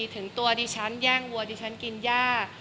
ถึงตัวดิฉันแย่งวัวดิฉันกินย่า